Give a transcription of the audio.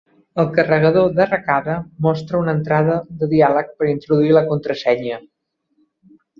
El carregador d'arrencada mostra una entrada de diàleg per introduir la contrasenya.